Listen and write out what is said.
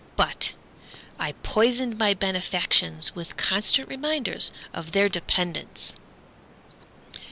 — But I poisoned my benefactions With constant reminders of their dependence.